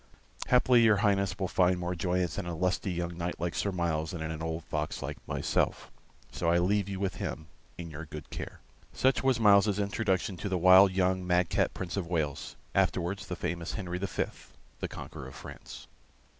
Haply your Highness will find more joyance in a lusty young knight like Sir Myles than in an old fox like myself. So I leave him with you, in your good care." Such was Myles's introduction to the wild young madcap Prince of Wales, afterwards the famous Henry V, the conqueror of France.